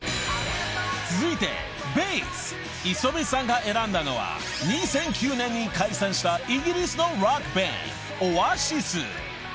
［続いてベース磯部さんが選んだのは２００９年に解散したイギリスのロックバンドオアシス］